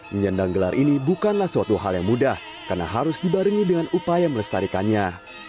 menyandang gelar ini bukanlah suatu hal yang mudah karena harus dibarengi dengan upaya melestarikannya